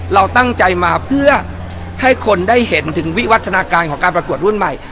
เราตั้งใจมาเพื่อให้คนได้เห็นถึงวิวัฒนาการของการประกวดรุ่นใหม่